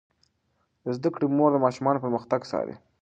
د زده کړې مور د ماشومانو پرمختګ څاري.